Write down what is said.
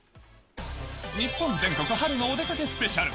日本全国春のお出かけスペシャル。